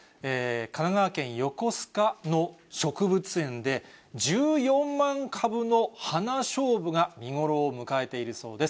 神奈川県横須賀の植物園で、１４万株の花しょうぶが見頃を迎えているそうです。